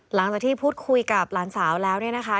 หลังจากที่พูดคุยกับหลานสาวแล้วเนี่ยนะคะ